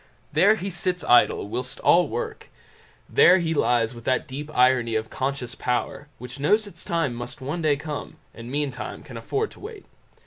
There he sits idle whilst all work; there he lies with that deep irony of conscious power, which knows its time must one day come, and meantime can afford to wait.